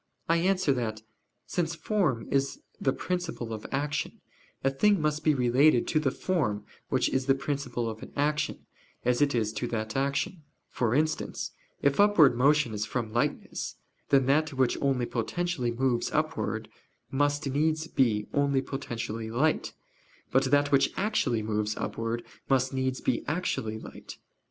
I answer that, Since form is the principle of action, a thing must be related to the form which is the principle of an action, as it is to that action: for instance, if upward motion is from lightness, then that which only potentially moves upwards must needs be only potentially light, but that which actually moves upwards must needs be actually light.